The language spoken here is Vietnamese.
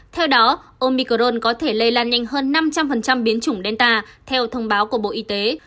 theo đó omicron có thể lây lan nhanh hơn năm trăm linh biến chủng delta theo thông báo của bộ y tế